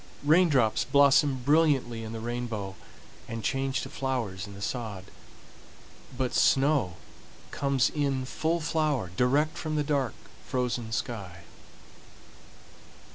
Raindrops blossom brilliantly in the rainbow, and change to flowers in the sod, but snow comes in full flower direct from the dark, frozen sky.